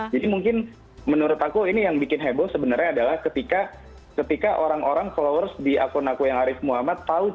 jadi mungkin menurut aku ini yang bikin heboh sebenarnya adalah ketika orang orang followers di akun aku yang arief muhammad